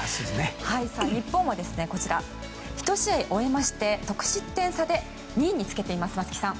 日本は１試合終えまして得失点差で２位につけています、松木さん。